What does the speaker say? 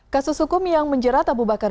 kasus hukum yang menjerat abu bakar